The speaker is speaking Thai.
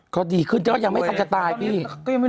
ก็ดีขึ้นแล้วอย่างไม่ต้องจะตายพี่